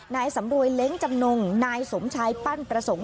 นายสำรวยเล้งจำนงนายสมชายปั้นประสงค์